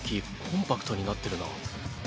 コンパクトになってるな。